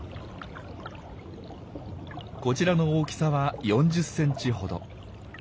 こちらの大きさは４０ｃｍほど。